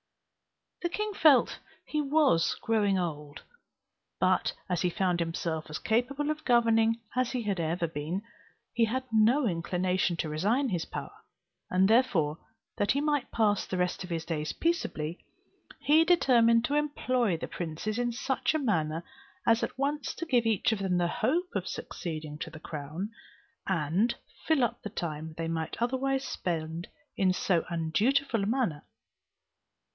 The king felt he was growing old; but as he found himself as capable of governing as he had ever been, he had no inclination to resign his power; and therefore, that he might pass the rest of his days peaceably, he determined to employ the princes in such a manner, as at once to give each of them the hope of succeeding to the crown, and fill up the time they might otherwise spend in so undutiful a manner.